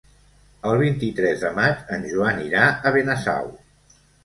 El vint-i-tres de maig en Joan irà a Benasau.